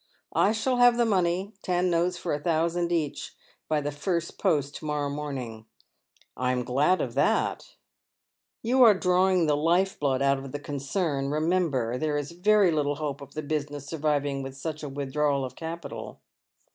I shall have the money — ten note« for a thousand each — by the first post to monow morning." "I'm glad of tliat." A Weddi ng Eve. 287 Yon are drawing the life blood out o£ the concern, remember. There is very little hope of the business surviving such a with drawal of capital."